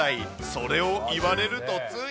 それを言われると、つい。